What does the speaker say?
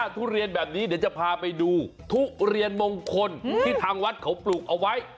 ทุเรียนแบบนี้เดี๋ยวจะพาไปดูทุเรียนมงคลที่ทางวัดเขาปลูกเอาไว้